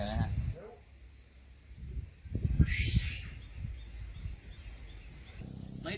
ตาไปหาหมอน่ะ